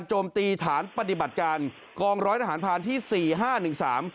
สำหรับการโจมตีฐานปฎิบัติการกองร้อยทหารพาที่สี่ห้าหนึ่งสาม